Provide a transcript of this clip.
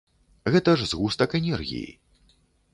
Гэта ж згустак энергіі.